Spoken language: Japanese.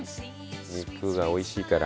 肉が美味しいから。